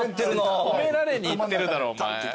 褒められにいってるだろお前。